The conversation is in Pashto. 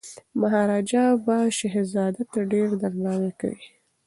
مهاراجا به شهزاده ته ډیر درناوی کوي.